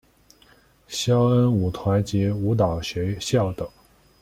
萧恩舞团及舞蹈学校等。